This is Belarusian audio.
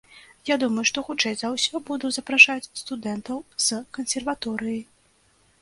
Я думаю, што хутчэй за ўсё буду запрашаць студэнтаў з кансерваторыі.